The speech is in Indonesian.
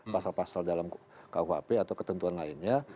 pasal pasal dalam kuhp atau ketentuan lainnya